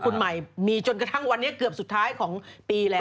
คุณใหม่มีจนกระทั่งวันนี้เกือบสุดท้ายของปีแล้ว